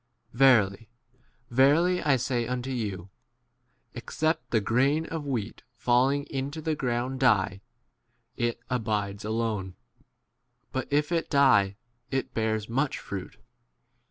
Verily, verily, I say unto you, Except the grain of wheat falling into the ground die, it abides alone ; but if it die, it 25 bears much fruit.